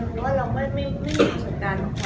หรือว่าเราไม่มีการขอ